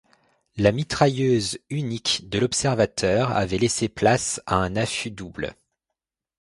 La mitrailleuse unique de l’observateur avait laissé place à un affût double.